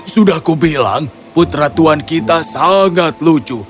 sudah aku bilang putra tuhan kita sangat lucu